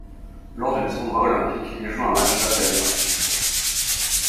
Lors du tournoi olympique, il joue un match face à l'Iraq.